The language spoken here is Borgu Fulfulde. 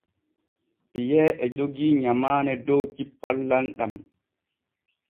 Piyee e jogii nyamaane dow cippal lamɗam.